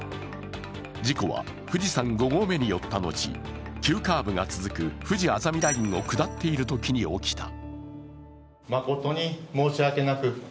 事故は富士山五合目に寄った後急カーブが続くふじあざみラインを下っているときに起きた。